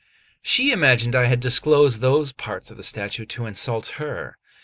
She imagined I had disclosed those parts of the statue to insult her.